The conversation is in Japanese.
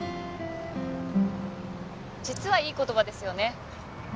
実はいい言葉ですよね